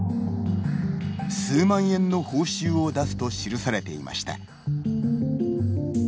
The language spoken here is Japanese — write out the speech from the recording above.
数万円の報酬を出すと記されていました。